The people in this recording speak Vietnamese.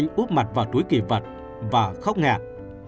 anh úp mặt vào túi kỳ vật và khóc ngạc